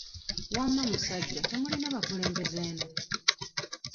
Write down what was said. Wamma musajja temulina bakulembeze eno?